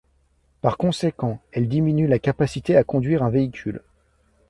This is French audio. Par conséquent, elles diminuent la capacité à conduire un véhicule.